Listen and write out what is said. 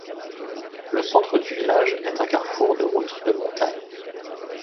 Le centre du village est un carrefour de routes de montagne.